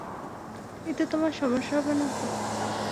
এতে তোমার সমস্যা হবে না তো?